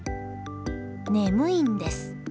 眠いんです。